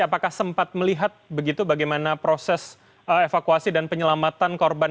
apakah sempat melihat begitu bagaimana proses evakuasi dan penyelamatan korban